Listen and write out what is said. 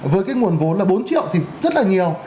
với cái nguồn vốn là bốn triệu thì rất là nhiều